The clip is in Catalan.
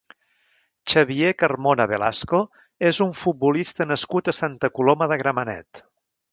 Xavier Carmona Velasco és un futbolista nascut a Santa Coloma de Gramenet.